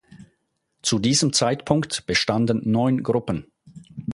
Zu diesem Zeitpunkt bestanden neun Gruppen.